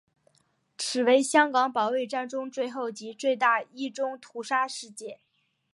此为香港保卫战中最后及最大一宗屠杀事件。